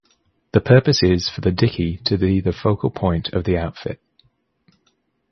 The purpose is for the dickey to be the focal point of the outfit.